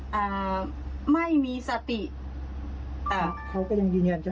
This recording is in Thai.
แจ้งศัษฎีแล้วค่ะเอารูปถ่ายไปแล้ว